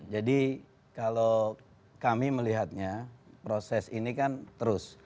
jadi kalau kami melihatnya proses ini kan terus